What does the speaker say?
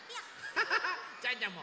ハハハジャンジャンも！